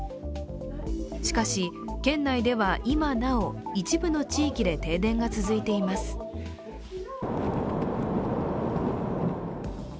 しかし、県内では今なお、一部の地域で停電が続いています。